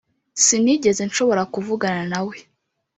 sinigeze nshobora kuvugana nawe.